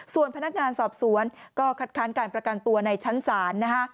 ส่วนพนักงานสอบสวนก็คัดค้านการประกันตัวในชั้นศาลนะฮะ